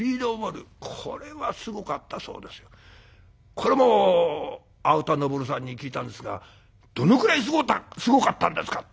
これも青田昇さんに聞いたんですが「どのぐらいすごかったんですか？」。